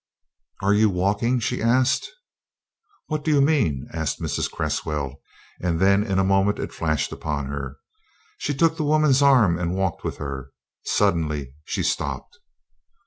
"Are you walking?" she asked. "What do you mean?" asked Mrs. Cresswell, and then in a moment it flashed upon her. She took the woman's arm and walked with her. Suddenly she stopped.